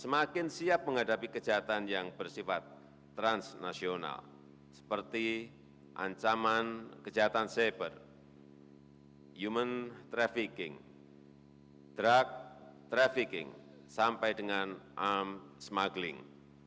semakin siap menghadapi kejahatan yang bersifat transnasional seperti ancaman kejahatan cyber human trafficking drug trafficking sampai dengan arm smargling